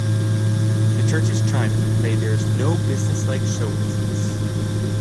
The church's chimes would play There's No Business Like Show Business.